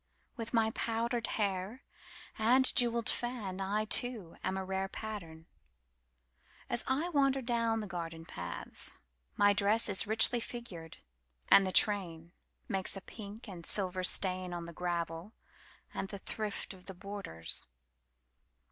With my powdered hair and jewelled fan,I too am a rarePattern. As I wander downThe garden paths.My dress is richly figured, And the trainMakes a pink and silver stainOn the gravel, and the thriftOf the borders.